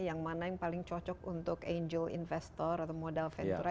yang mana yang paling cocok untuk angel investor atau modal ventura